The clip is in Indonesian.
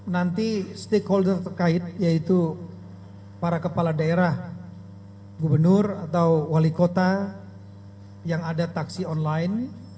nanti stakeholder terkait yaitu para kepala daerah gubernur atau wali kota yang ada taksi online